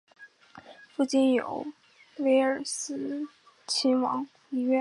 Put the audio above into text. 附近有威尔斯亲王医院。